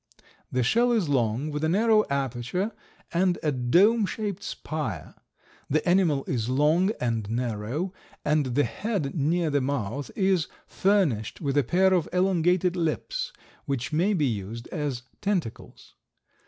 The shell is long, with a narrow aperture and a dome shaped spire; the animal is long and narrow and the head near the mouth is furnished with a pair of elongated lips which may be used as tentacles.